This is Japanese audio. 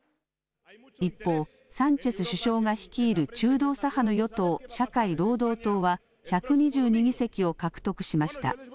一方、サンチェス首相が率いる中道左派の与党・社会労働党は１２２議席を獲得しました。